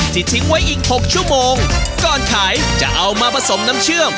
ที่ใช้แป้งข้าวเจ้ามากกับน้ำเปล่า